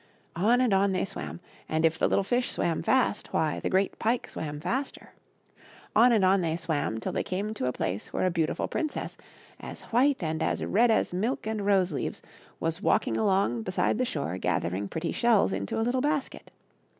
On and on they swam, and if the little fish swam fast, why, the great pike swam faster. On and on they swam till they came to a place where a beau tiful princess, as white and as red as milk and rose leaves, was walking along beside the shore gathering pretty shells into a little basket.